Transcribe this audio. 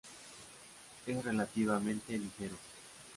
Es relativamente ligero.